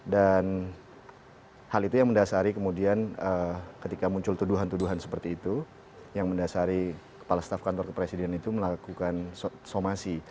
dan hal itu yang mendasari kemudian ketika muncul tuduhan tuduhan seperti itu yang mendasari kepala staf kantor ke presiden itu melakukan somasi